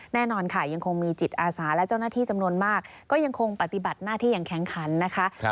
แน่นอนค่ะยังคงมีจิตอาสาและเจ้าหน้าที่จำนวนมากก็ยังคงปฏิบัติหน้าที่อย่างแข็งขันนะคะ